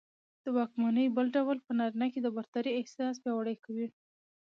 د واکمنۍ بل ډول په نارينه کې د برترۍ احساس پياوړى کوي